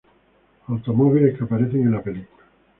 Automóviles que aparecen en la película.